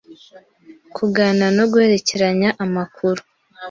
kuganira no guhererekanya amakuru